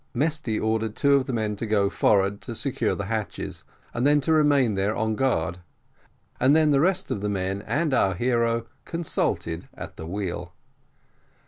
Mesty ordered two of the men to go forward to secure the hatches, and then to remain there on guard and then the rest of the men and our hero consulted at the wheel.